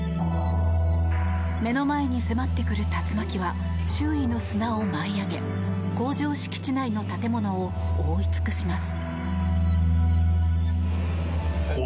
目の前に迫ってくる竜巻は周囲の砂を舞い上げ工場敷地内の建物を覆い尽くします。